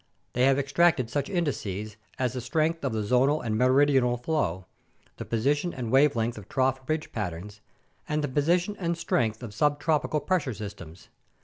They have extracted such indices as the strength of the zonal and meridional flow, the position and wavelength of trough ridge patterns, and the position and strength of subtropical pressure systems.